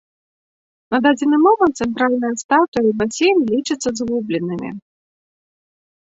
На дадзены момант цэнтральная статуя і басейн лічацца згубленымі.